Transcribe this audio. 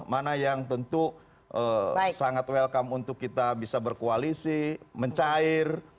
mana yang tentu sangat welcome untuk kita bisa berkoalisi mencair